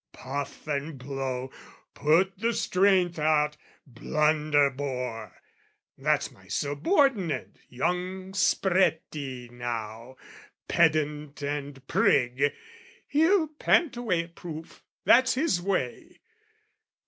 Puff and blow, put the strength out, Blunderbore! That's my subordinate, young Spreti, now, Pedant and prig, he'll pant away at proof, That's his way!